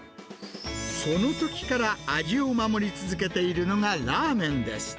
そのときから味を守り続けているのが、ラーメンです。